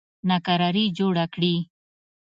ناکراري جوړه کړي.